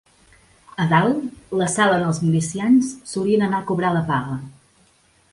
A dalt, la sala on els milicians solien anar a cobrar la paga